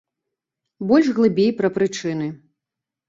Больш глыбей пра прычыны.